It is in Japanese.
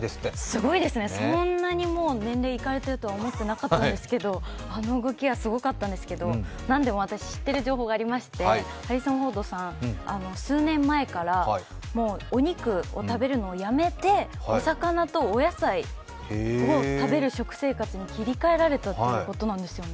すごいですね、そんなに年齢いかれてるとは思ってなかったんですけどあの動きはすごかったんですけど、何でも私、知っている情報がありまして、ハリソン・フォードさん、数年前からもうお肉を食べるのをやめて、お魚とお野菜を食べる食生活に切り替えられたということなんですよね。